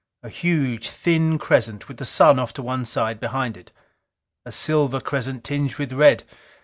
A huge, thin crescent, with the Sun off to one side behind it. A silver crescent, tinged with red.